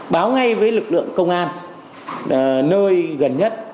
báo ngay với lực lượng công an nơi gần nhất